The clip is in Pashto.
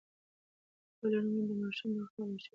پوهه لرونکې میندې د ماشومانو د روغتیا لارښوونې تعقیبوي.